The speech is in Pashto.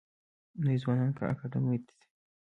نوي ځوانان اکاډمیو ته ځي.